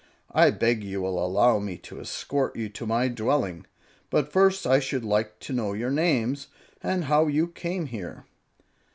I beg you will allow me to escort you to my dwelling; but first I should like to know your names, and how you came here."